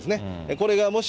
これがもし、